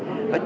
nói chung là